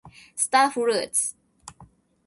スターフルーツ